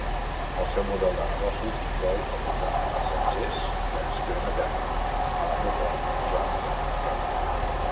El seu model de negoci inclou abordar passatgers que es queden a terra a l'aeroport John F. Kennedy.